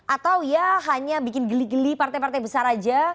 atau ya hanya bikin geli geli partai partai besar aja